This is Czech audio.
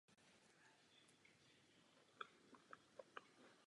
Tato tisková zpráva staví muslimy na roveň násilníkům.